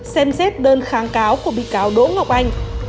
xem xét đơn kháng cáo của bị cáo đỗ ngọc anh